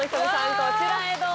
こちらへどうぞ。